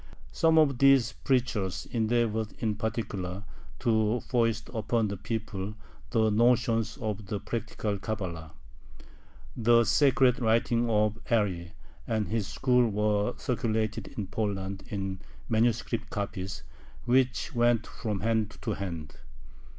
Some of these preachers endeavored in particular to foist upon the people the notions of the "Practical Cabala." The "secret" writings of Ari and his school were circulated in Poland in manuscript copies, which went from hand to hand.